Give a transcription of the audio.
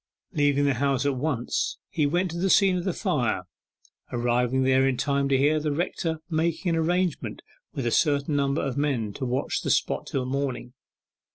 Leaving the house at once, he went to the scene of the fire, arriving there in time to hear the rector making an arrangement with a certain number of men to watch the spot till morning.